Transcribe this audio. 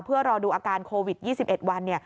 เพื่อรอดูอาการโควิด๒๑วัน